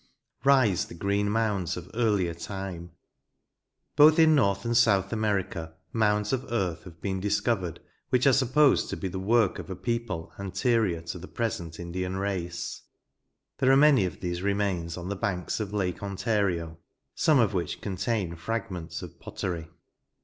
Rise the green mounds of earUer time Both in North and South America mounds of earth have been discovered which are supposed to be the work of a people anterior to the present Indian race : there are many of these re mains on the banks of lake Ontario, some of which contain fragments of pottery.